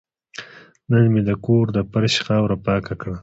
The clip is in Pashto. نن مې د کور د فرش خاوره پاکه کړه.